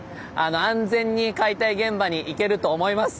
安全に解体現場に行けると思います。